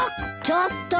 ちょっと！